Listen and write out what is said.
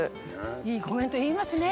いいコメント言いますね。